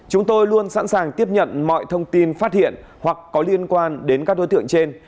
chúng tôi luôn sẵn sàng tiếp nhận mọi thông tin phát hiện hoặc có liên quan đến các đối tượng trên